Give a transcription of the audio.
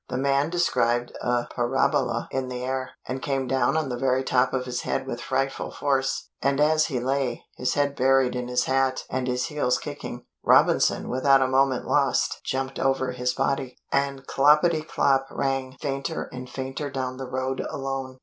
The man described a parabola in the air, and came down on the very top of his head with frightful force; and as he lay, his head buried in his hat and his heels kicking, Robinson without a moment lost jumped over his body, and klopetee klop rang fainter and fainter down the road alone.